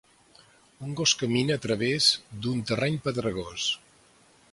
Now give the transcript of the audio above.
Un gos camina a través d'un terreny pedregós.